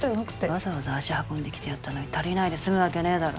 わざわざ足運んできてやったのに足りないで済むわけねぇだろ。